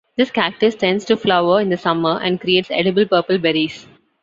This cactus tends to flower in the summer and creates edible purple berries.